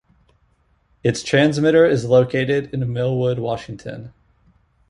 Its transmitter is located in Millwood, Washington.